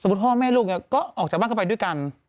สมมุติพ่อแม่ลูกก็ออกจากบ้านกันไปด้วยกัน